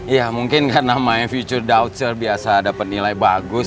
ya mungkin karena future daugter biasa dapat nilai bagus